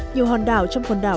nhiều hòn đảo trong quần đảo